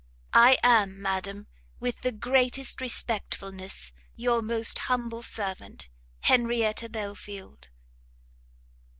I am, Madam, with the greatest respectfulness, your most humble servant, HENRIETTA BELFIELD.